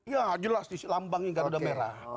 ya jelas di lambangnya garuda merah